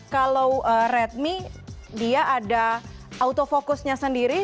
kalau redmi dia ada autofocusnya sendiri